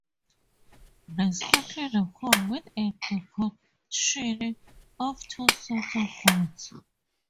They sprinkle the hole with a decoction of two sorts of roots.